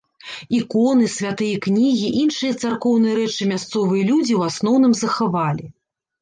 Іконы, святыя кнігі, іншыя царкоўныя рэчы мясцовыя людзі ў асноўным захавалі.